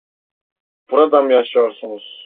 Burada mı yaşıyorsunuz?